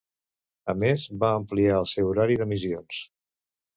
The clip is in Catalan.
A més va ampliar el seu horari d'emissions.